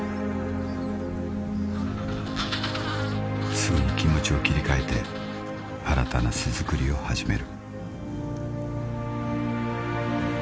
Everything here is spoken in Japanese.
［すぐに気持ちを切り替えて新たな巣作りを始める］